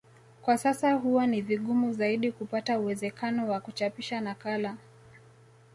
Kwa sasa huwa ni vigumu zaidi kupata uwezekano wa kuchapisha nakala